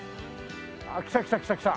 ああ来た来た来た来た。